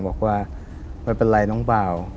บอกว่ามันเป็นไรน้องบ่าว